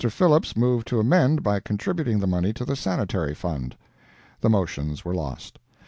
Phillips moved to amend by contributing the money to the Sanitary Fund. The motions were lost.